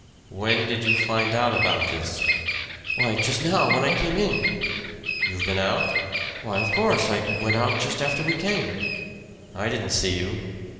"When did you find out about this?" "Why, just now. When I came in." "You've been out?" "Why of course. I went out just after we came." "I didn't see you."